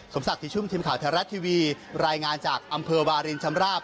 ศักดิ์ชุ่มทีมข่าวไทยรัฐทีวีรายงานจากอำเภอวารินชำราบ